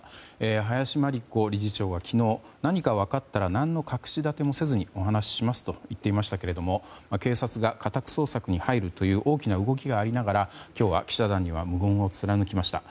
林真理子理事長は昨日何か分かったら何の隠し立てもせずにお話ししますと言っていましたけど警察が家宅捜索に入るという大きな動きがありながら今日は記者団には無言を貫きました。